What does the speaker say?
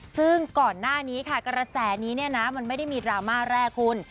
ซึ่งก่อนหน้านี้ค่ะกระแสนี้เนี่ยนะมันไม่ได้มีดราม่าแรกคุณ